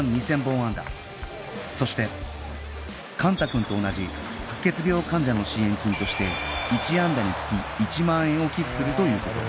そして幹汰君と同じ白血病患者の支援金として１安打につき１万円を寄付するという事